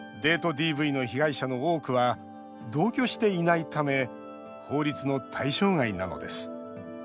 ＤＶの被害者の多くは同居していないため法律の対象外なのです。